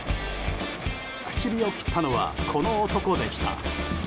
口火を切ったのはこの男でした。